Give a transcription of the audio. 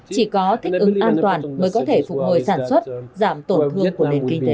chỉ có thích ứng an toàn mới có thể phục hồi sản xuất giảm tổn thương của nền kinh tế